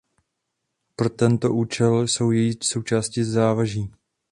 Pro tento účel jsou její součástí závaží.